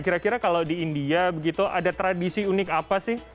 kira kira kalau di india begitu ada tradisi unik apa sih